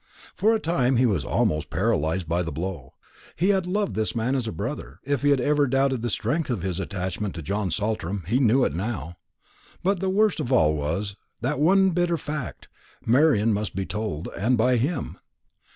For a time he was almost paralyzed by the blow. He had loved this man as a brother; if he had ever doubted the strength of his attachment to John Saltram, he knew it now. But the worst of all was, that one bitter fact Marian must be told, and by him.